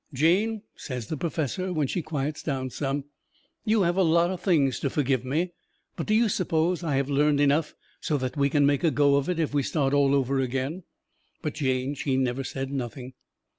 "Jane," says the perfessor, when she quiets down some, "you have a lot o' things to forgive me. But do you suppose I have learned enough so that we can make a go of it if we start all over again?" But Jane she never said nothing.